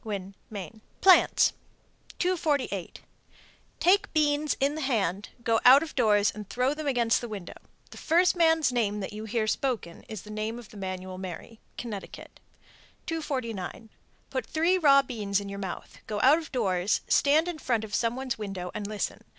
Winn, Me. PLANTS. 248. Take beans in the hand, go out of doors and throw them against the window. The first man's name that you hear spoken is the name of the man you will marry. Connecticut. 249. Put three raw beans in your mouth, go out of doors, stand in front of some one's window and listen.